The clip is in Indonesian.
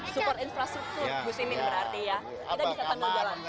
suport infrastruktur gus imen berarti ya